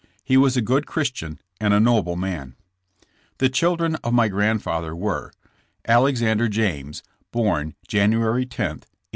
He was a good Christian and a" noble man. The children of my grandfather were : Alexander James, born January 10, 1844.